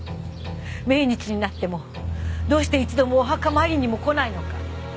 命日になってもどうして一度もお墓参りにも来ないのか。